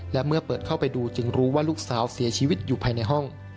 และเมื่อเปิดเข้าไปดูจึงรู้ว่าลูกสาวเสียชีวิตอยู่ภายในห้อง